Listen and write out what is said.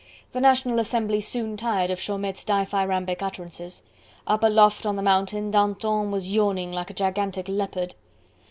The National Assembly soon tired of Chaumette's dithyrambic utterances. Up aloft on the Mountain, Danton was yawning like a gigantic leopard.